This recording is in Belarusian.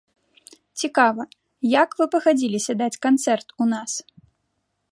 Цікава, як вы пагадзіліся даць канцэрт у нас?